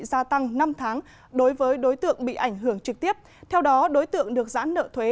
gia tăng năm tháng đối với đối tượng bị ảnh hưởng trực tiếp theo đó đối tượng được giãn nợ thuế